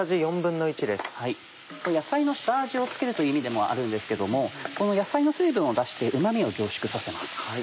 野菜の下味を付けるという意味でもあるんですけどもこの野菜の水分を出してうま味を凝縮させます。